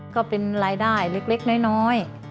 ก็เป็นรายได้เล็กน้อย